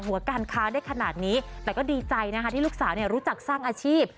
การค้าได้ขนาดนี้แต่ก็ดีใจนะคะที่ลูกสาวรู้จักสร้างอาชีพ